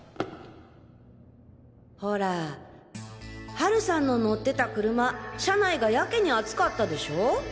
ほらハルさんの乗ってた車車内がやけに暑かったでしょ？